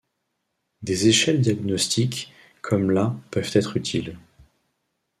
Des échelles diagnostiques comme la peuvent être utiles.